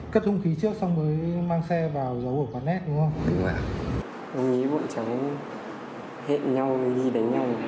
cất hung khí trước xong mới mang xe